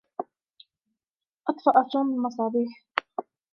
أطفئ توم المصابيح.